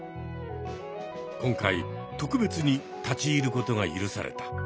今回特別に立ち入ることが許された。